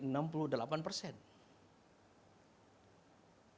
yang berbeda dengan kursus yang lainnya